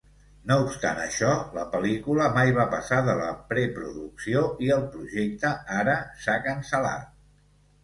No obstant això, la pel·lícula mai va passar de la preproducció i el projecte ara s'ha cancel·lat.